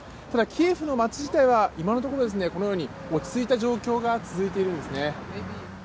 ただ、キエフの街自体は今のところ、このように落ち着いた状況が続いているんですね。